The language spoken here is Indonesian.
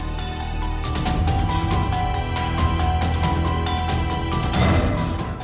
jangan setelah espri